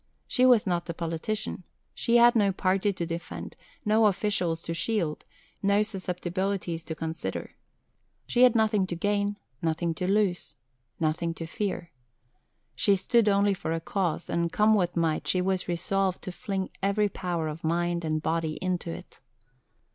She was not a politician. She had no party to defend, no officials to shield, no susceptibilities to consider. She had nothing to gain, nothing to lose, nothing to fear. She stood only for a cause; and, come what might, she was resolved to fling every power of mind and body into it.